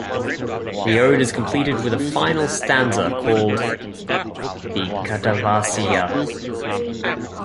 The ode is completed with a final stanza called the "katavasia".